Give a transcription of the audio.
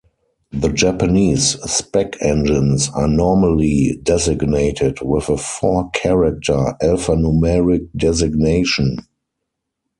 The Japanese spec-engines are normally designated with a four character alphanumeric designation.